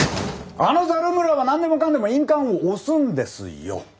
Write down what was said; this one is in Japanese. あのザル村は何でもかんでも印鑑を押すんですよ。